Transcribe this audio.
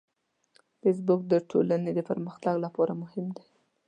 فېسبوک د ټولنې د پرمختګ لپاره مهم دی